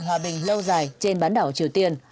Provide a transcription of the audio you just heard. hòa bình lâu dài trên bán đảo triều tiên